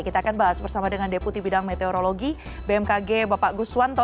kita akan bahas bersama dengan deputi bidang meteorologi bmkg bapak guswanto